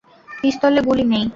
পিস্তলে গুলি নেই!